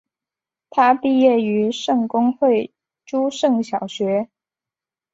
他毕业于圣公会诸圣小学。